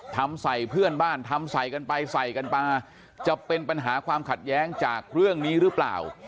ทำใส่เพื่อนบ้านทำใส่กันไปใส่กันมาจะเป็นปัญหาความขัดแย้งจากเรื่องนี้หรือเปล่า